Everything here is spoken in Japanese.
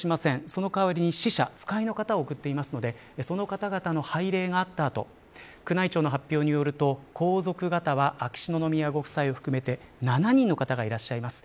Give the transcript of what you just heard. その代わりに、使者使いの方を送っていますのでその方々の拝礼があったあと宮内庁の発表によると皇族方は秋篠宮ご夫妻を含めて７人の方がいらっしゃいます。